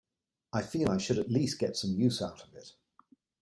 I feel I should at least get some use out of it.